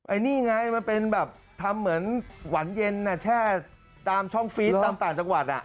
อันนี้ไงมันเป็นแบบทำเหมือนหวานเย็นแช่ตามช่องฟีดตามต่างจังหวัด